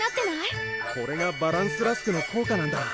これがバランスラスクの効果なんだ。